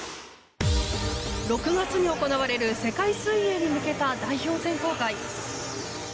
６月に行われる世界水泳に向けた代表選考会。